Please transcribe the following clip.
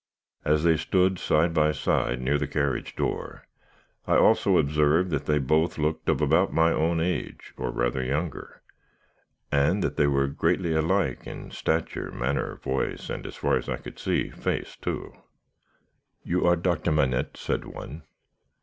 As they stood side by side near the carriage door, I also observed that they both looked of about my own age, or rather younger, and that they were greatly alike, in stature, manner, voice, and (as far as I could see) face too. "'You are Doctor Manette?' said one.